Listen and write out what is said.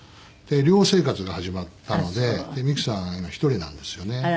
寮生活が始まったので美樹さん今１人なんですよね。